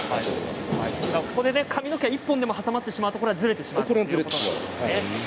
ここで髪の毛１本でも挟まってしまうとずれてしまうんですね。